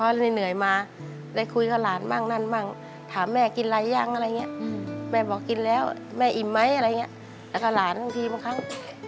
ก็เลยอิ่มไหมอะไรอย่างเงี้ยแล้วก็หลานบางทีบางครั้ง